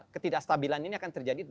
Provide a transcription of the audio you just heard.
ketidakstabilan ini akan terjadi